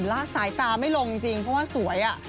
ละสายตาไม่ลงจริงเพราะว่าสวย